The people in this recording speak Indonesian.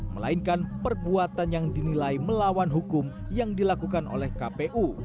melainkan perbuatan yang dinilai melawan hukum yang dilakukan oleh kpu